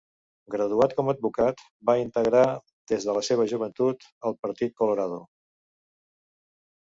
Graduat com advocat, va integrar des de la seva joventut el Partit Colorado.